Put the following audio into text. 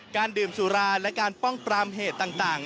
การดื่มสุราและการป้องปรามเหตุต่าง